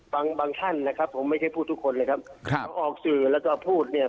บางท่านนะครับผมไม่เคยพูดทุกคนเลยครับออกสื่อแล้วก็พูดเนี่ย